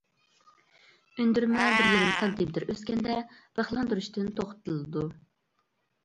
ئۈندۈرمە بىر يېرىم سانتىمېتىر ئۆسكەندە بىخلاندۇرۇشتىن توختىتىلىدۇ.